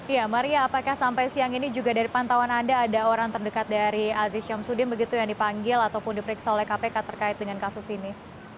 ya maria apakah sampai siang ini juga dari pantauan anda ada orang terdekat dari aziz syamsuddin begitu yang dipanggil ataupun diperiksa oleh kpk terkait dengan kasus ini